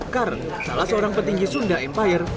kar salah seorang petinggi sunda empire